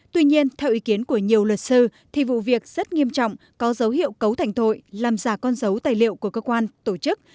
tuy nhiên theo ý kiến của nhiều luật sư thì vụ việc rất nghiêm trọng có dấu hiệu cấu thành tội làm giả con dấu tài liệu của cơ quan tổ chức